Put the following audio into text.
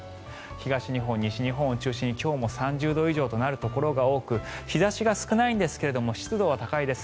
東日本、西日本を中心に今日も３０度以上になるところが多く日差しが少ないんですが湿度は高いです。